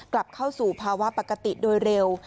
กลับเข้าสู่ภาวะปกติโดยเร็ว